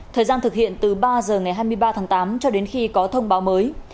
thời gian thực hiện từ ba giờ ngày hai mươi ba tháng tám cho đến khi có thông báo mới